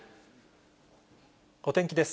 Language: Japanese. お天気です。